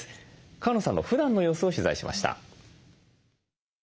川野さんのふだんの様子を取材しました。